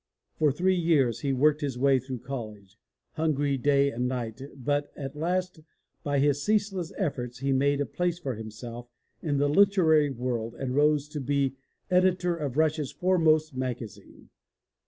For three years he worked his way through college, hungry day and night, but at last by his ceaseless efforts he made a place for himself in the literary world and rose to be Editor of Russians foremost maga zine.